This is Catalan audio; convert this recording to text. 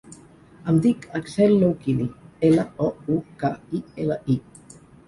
Em dic Axel Loukili: ela, o, u, ca, i, ela, i.